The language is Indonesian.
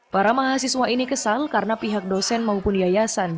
para mahasiswa ini kesal karena pihak dosen maupun yayasan